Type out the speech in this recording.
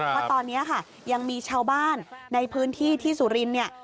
เพราะตอนนี้ค่ะยังมีชาวบ้านในพื้นที่ที่สุรินทร์เนี่ย